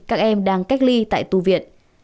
các em đang cách ly tại tu viện